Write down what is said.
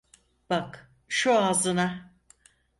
Bak, şu ağzına…